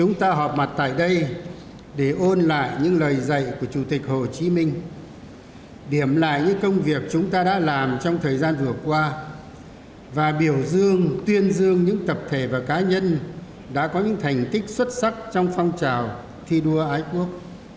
ngày chủ tịch hồ chí minh ra lời kêu gọi thi đua ái quốc